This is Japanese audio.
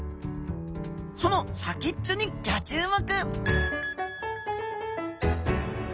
その先っちょにギョ注目！